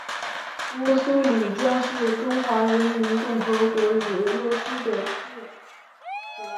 乌苏里江是中华人民共和国与俄罗斯的界河。